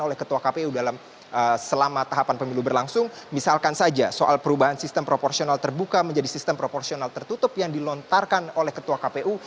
oleh ketua kpu dalam selama tahapan pemilu berlangsung misalkan saja soal perubahan sistem proporsional terbuka menjadi sistem proporsional tertutup yang dilontarkan oleh ketua kpu